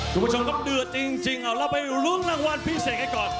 คุณผู้ชมครับเดือดจริงเอาเราไปลุ้นรางวัลพิเศษกันก่อน